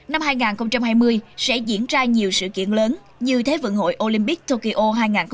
năm hai nghìn hai mươi sẽ diễn ra nhiều sự kiện lớn như thế vận hội olympic tokyo hai nghìn hai mươi